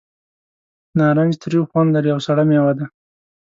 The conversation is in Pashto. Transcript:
نارنج تریو خوند لري او سړه مېوه ده.